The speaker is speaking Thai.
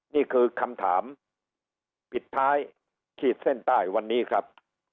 นี่คือคำถามปิดท้ายขีดเส้นใต้วันนี้ครับ